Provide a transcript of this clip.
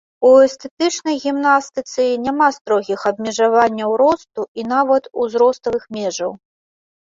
У эстэтычнай гімнастыцы няма строгіх абмежаванняў росту і нават узроставых межаў.